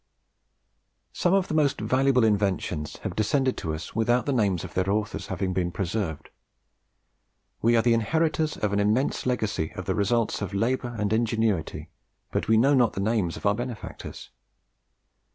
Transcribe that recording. Some of the most valuable inventions have descended to us without the names of their authors having been preserved. We are the inheritors of an immense legacy of the results of labour and ingenuity, but we know not the names of our benefactors.